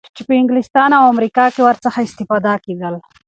چی په انګلستان او امریکا کی ورڅخه اسفتاده کیدل